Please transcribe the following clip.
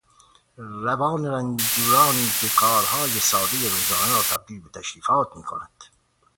روانرنجورانی که کارهای سادهی روزانه را تبدیل به تشریفات میکنند